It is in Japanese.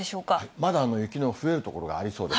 まだ雪の増える所がありそうです。